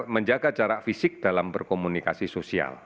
menjaga jarak fisik dalam berkomunikasi sosial